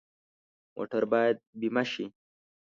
موټر باید بیمه شي.